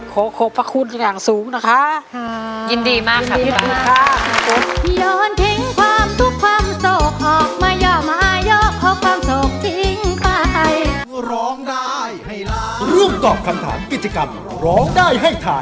โคคพระคุณอย่างสูงนะคะ